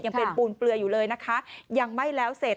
ยังเป็นปูนเปลืออยู่เลยนะคะยังไม่แล้วเสร็จ